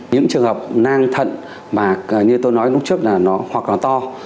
những trường hợp nang thận mà như tôi nói lúc trước là nó hoặc là to